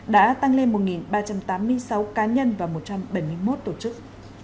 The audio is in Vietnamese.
đã tăng lên một ba trăm tám mươi sáu cá nhân và một trăm bảy mươi một tổ chức